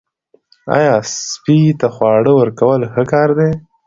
آیا سپي ته خواړه ورکول ښه کار دی؟